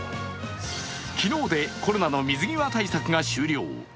昨日でコロナの水際対策が終了。